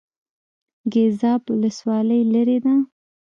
ګیزاب ولسوالۍ لیرې ده؟